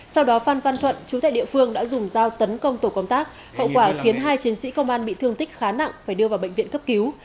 sau đó phan văn thuận chú tại địa phương đã dùng dao tấn công tổ công tác hậu quả khiến hai chiến sĩ công an bị thương tích khá nặng phải đưa vào bệnh viện cấp cứu